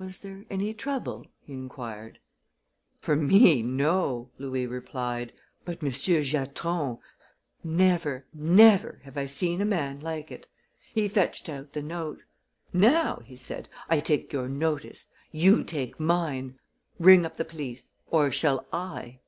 "Was there any trouble?" he inquired. "For me, no," Louis replied; "but Monsieur Giatron never, never have I seen a man like it! He fetched out the note. 'Now,' he said, 'I take your notice! You take mine! Ring up the police! Or shall I?'